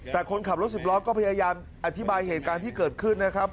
แต่คนขับรถสิบล้อก็พยายามอธิบายเหตุการณ์ที่เกิดขึ้นนะครับ